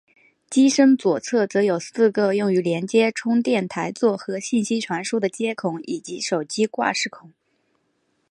机身左侧则有四个用于连接充电台座和信息传输的接孔以及手机挂饰孔。